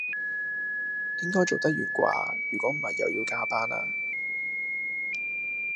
應該做得完掛，如果唔係又要加班啦